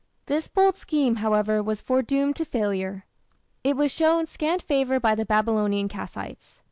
This bold scheme, however, was foredoomed to failure. It was shown scant favour by the Babylonian Kassites.